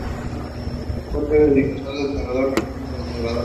Proteger los intereses de la radiodifusión en El Salvador.